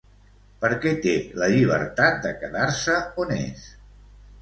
Per què té la llibertat de quedar-se on és?